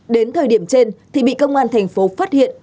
đến thời điểm trên thì bị công an thành phố phát hiện